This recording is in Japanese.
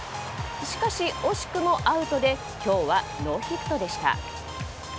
しかし惜しくもアウトで今日はノーヒットでした。